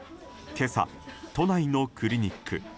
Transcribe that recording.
今朝、都内のクリニック。